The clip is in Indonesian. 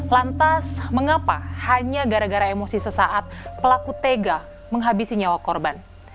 lantas mengapa hanya gara gara emosi sesaat pelaku tega menghabisi nyawa korban